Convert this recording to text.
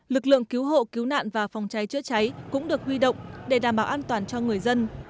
lực lượng cứu hộ cứu nạn và phòng cháy chữa cháy cũng được huy động để đảm bảo an toàn cho người dân